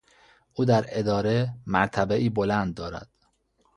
او در اداره مرتبهای بلند دارد.